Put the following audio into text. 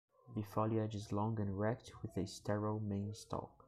The foliage is long and erect with a sterile main stalk.